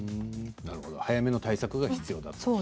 早めの対策が必要だと。